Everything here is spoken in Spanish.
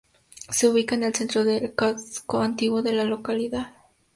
Se ubica en el centro del casco antiguo de la localidad.